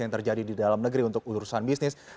yang terjadi di dalam negeri untuk urusan bisnis